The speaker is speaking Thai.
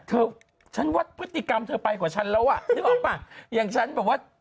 เธอฉันวัดพฤติกรรมเธอไปกว่าฉันแล้วอ่ะนึกออกป่ะอย่างฉันแบบว่า